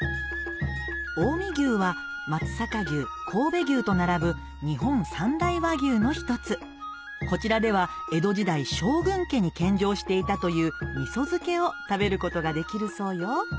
近江牛は松阪牛神戸牛と並ぶの１つこちらでは江戸時代将軍家に献上していたという味噌漬けを食べることができるそうよ